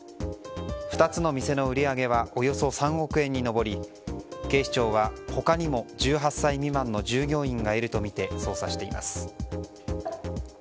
２つの店の売り上げはおよそ３億円に上り警視庁は他にも１８歳未満の従業員がいるとみて捜査しています。